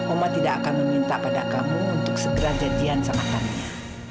oma tidak akan meminta pada kamu untuk segera janjian sama kaminya